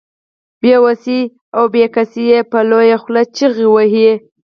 بې وسي او بې کسي يې په لويه خوله چيغې وهي.